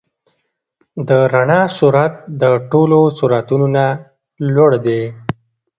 د رڼا سرعت د ټولو سرعتونو نه لوړ دی.